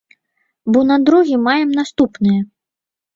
Бо на другі маем наступнае.